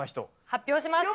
発表します。